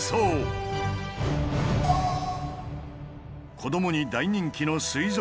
子供に大人気の水族館。